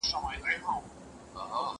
لوڅ بدن ته خړي سترگي يې نيولي